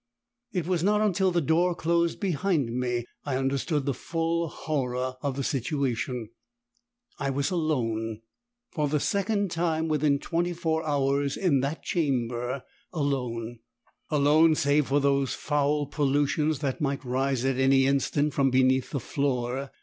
It was not until the door closed behind me, I understood the full horror of the situation; I was alone! for the second time within twenty four hours in that chamber Alone! Alone save for those foul pollutions that might rise at any instant from beneath the floor.